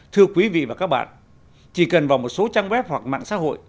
thưa quý vị và các bạn chỉ cần vào một số trang web hoặc mạng xã hội